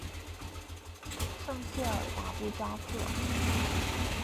圣谢尔达布扎克。